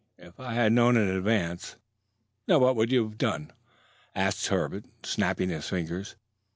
If I had known in advance " "Now what would you have done?" asked Herbert, snapping his fingers.